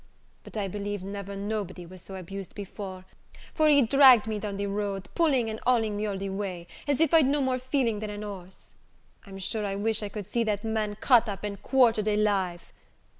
But I believe never nobody was so abused before; for he dragged me down the road, pulling and hauling me all the way, as if'd no more feeling than a horse. I'm sure I wish I could see that man cut up and quartered alive!